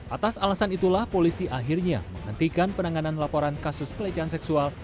atas alasan itulah polisi akhirnya menghentikan penanganan laporan kasus pelecehan seksual